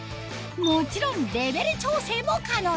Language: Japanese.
もちろんレベル調整も可能です